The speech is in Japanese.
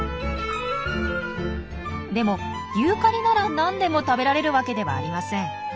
でもユーカリなら何でも食べられるわけではありません。